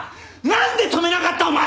なんで止めなかったお前！